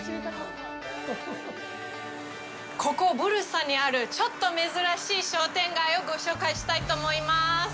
ここブルサにあるちょっと珍しい商店街をご紹介したいと思います。